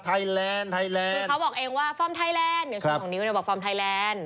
คือเขาบอกเองว่าฟอร์มไทยแลนด์เดี๋ยวชุมของนิ้วบอกฟอร์มไทยแลนด์